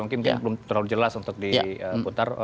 mungkin belum terlalu jelas untuk diputar